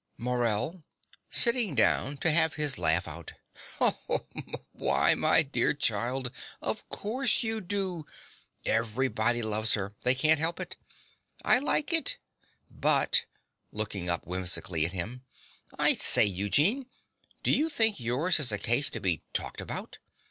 MORELL (sitting down to have his laugh out). Why, my dear child, of course you do. Everybody loves her: they can't help it. I like it. But (looking up whimsically at him) I say, Eugene: do you think yours is a case to be talked about?